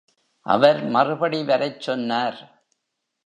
அவர் மறுபடி வரச் சொன்னார்.